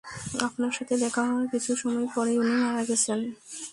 আপনার সাথে দেখা হওয়ার কিছু সময় পরেই উনি মারা গেছেন!